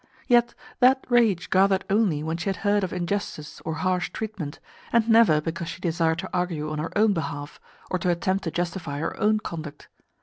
Yet that rage gathered only when she had heard of injustice or harsh treatment, and never because she desired to argue on her own behalf, or to attempt to justify her own conduct.